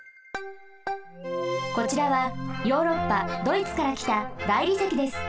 こちらはヨーロッパドイツからきた大理石です。